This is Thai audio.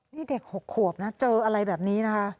นี่เด็ก๖ขวบนะเจออะไรแบบนี้นะคะ